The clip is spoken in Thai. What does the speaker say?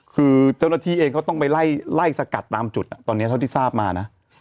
คือเจ้าหน้าที่เองก็ต้องไปไล่สกัดตามจุดตอนนี้เท่าที่ทราบมานะ